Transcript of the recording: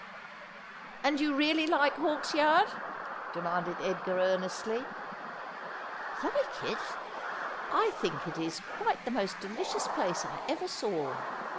' And you really like Hawksyard ?' demanded Edgar earnestly. ' Like it ! I think it is quite the most delicious place I ever saw.